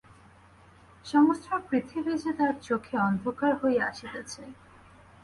সমস্ত পৃথিবী যে তার চোখে অন্ধকার হইয়া আসিতেছে।